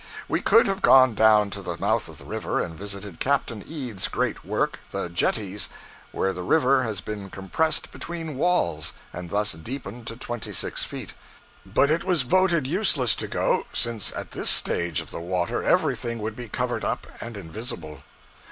We could have gone down to the mouth of the river and visited Captain Eads' great work, the 'jetties,' where the river has been compressed between walls, and thus deepened to twenty six feet; but it was voted useless to go, since at this stage of the water everything would be covered up and invisible.